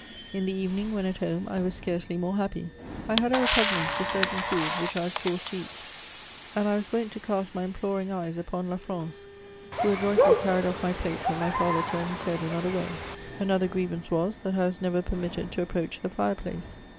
In the evening, when at home, I was scarcely more happy : I had a repugnance to certain food, which I was forced to eat, and I was wont to cast my imploring eyes upon La France, who adroitly carried off my plate when my father turned his head another way : another grievance was, that I was never per mitted to approach the fire place.